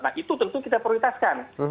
nah itu tentu kita prioritaskan